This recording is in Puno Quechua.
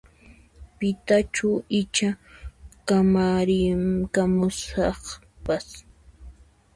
Pitachu icha kamarikamusaqpas?